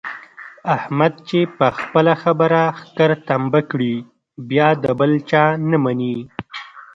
احمد چې په خپله خبره ښکر تمبه کړي بیا د بل چا نه مني.